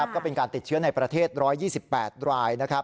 ก็เป็นการติดเชื้อในประเทศ๑๒๘ราย